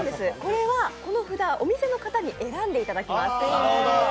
この札、お店の方に選んでいただきます。